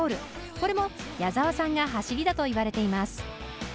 これも矢沢さんがはしりだと言われています。